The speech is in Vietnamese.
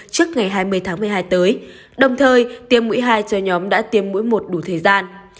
trước ngày hai mươi tháng một mươi hai tới đồng thời tiêm mũi hai cho nhóm đã tiêm mũi một đủ thời gian